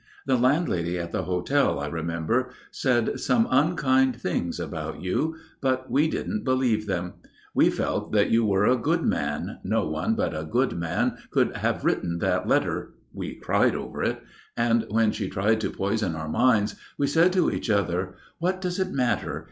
The landlady at the hotel, I remember, said some unkind things about you; but we didn't believe them. We felt that you were a good man no one but a good man could have written that letter we cried over it and when she tried to poison our minds we said to each other: 'What does it matter?